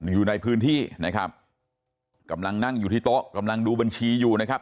อยู่ในพื้นที่นะครับกำลังนั่งอยู่ที่โต๊ะกำลังดูบัญชีอยู่นะครับ